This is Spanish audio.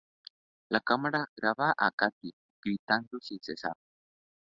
La cámara graba a Katie gritando sin cesar.